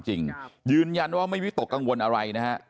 ดังนั้นว่าไม่มีตกกังวลอะไรนะครับ